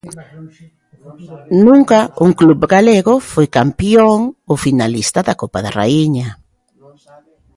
Nunca un club galego foi campión ou finalista da Copa da Raíña.